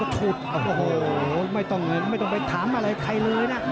รับทอดโอ้โหโหไม่ต้องไม่ต้องไปถามอะไรใครเลยน่ะ